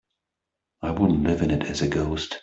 I wouldn't live in it as a ghost.